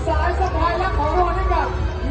สายสะพายลักษณ์ของเราด้วยกัน